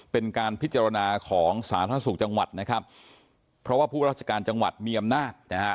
เป็นการพิจารณาของสาธารณสุขจังหวัดนะครับเพราะว่าผู้ราชการจังหวัดมีอำนาจนะฮะ